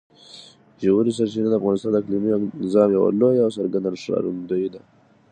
ژورې سرچینې د افغانستان د اقلیمي نظام یوه لویه او څرګنده ښکارندوی ده.